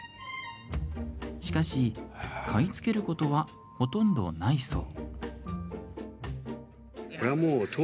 しかし、買い付けることはほとんどないそう。